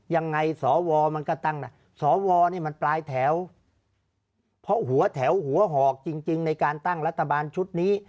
ยังไงสวมันก็ตั้งนะสวนี่มันปลายแถวเพราะหัวแถวหัวหอกจริงในการตั้งรัฐบาลชุดนี้